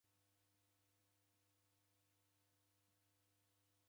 W'akaiagha nicha na w'ambao kazinyi.